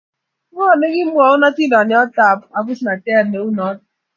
Ngo nikimwaun atindiot tap abusnatet neu noto?